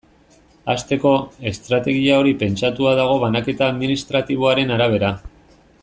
Hasteko, estrategia hori pentsatua dago banaketa administratiboaren arabera.